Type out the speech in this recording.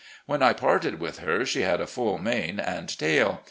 When I parted with her she had a full long mane and tail.